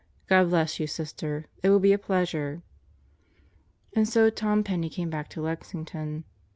God bless you, Sister. It will be a pleasure." And so Tom Penney came back to Lexington.